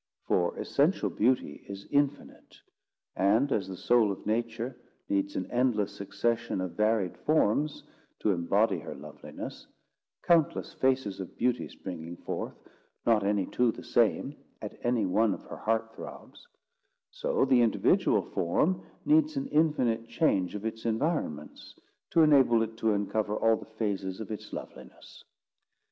For essential beauty is infinite; and, as the soul of Nature needs an endless succession of varied forms to embody her loveliness, countless faces of beauty springing forth, not any two the same, at any one of her heart throbs; so the individual form needs an infinite change of its environments, to enable it to uncover all the phases of its loveliness.